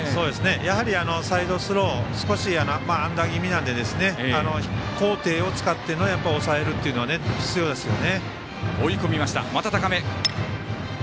やはりサイドスロー少しアンダー気味なので高低を使っての抑えるっていうのは必要ですよね。